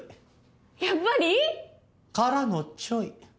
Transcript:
やっぱり？からのちょい。